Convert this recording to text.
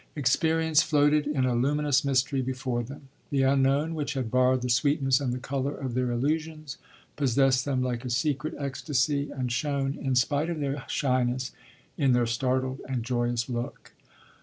Experience floated in a luminous mystery before them. The unknown, which had borrowed the sweetness and the colour of their illusions, possessed them like a secret ecstasy and shone, in spite of their shyness, in their startled and joyous look.